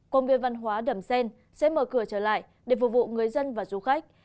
công viên văn hóa đầm xen sẽ mở cửa trở lại để phục vụ người dân và du khách